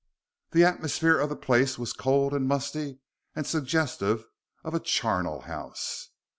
The atmosphere of the place was cold and musty and suggestive of a charnel house.